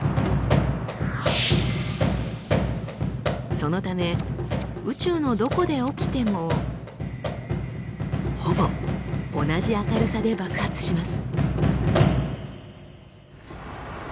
そのため宇宙のどこで起きてもほぼ同じ明るさで爆発します。